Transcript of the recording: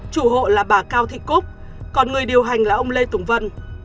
chủ hộ là bà cao thị cúc còn người điều hành là ông lê tùng vân